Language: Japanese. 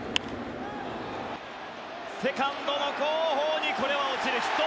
セカンドの後方に落ちるヒット。